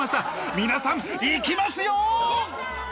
皆さん、行きますよ！